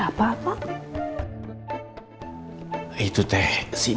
apapak itu teh si attu kenapa enggak tau